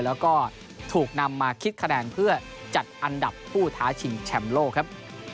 แล้วก็ถูกนำมาคิดคะแนนเพื่อจัดอันดับผู้ท้าชิงแชมป์โลกครับ